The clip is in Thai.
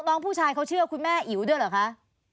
น้องผู้ชายเขาเชื่อคุณแม่อิ๋วด้วยเหรอคะ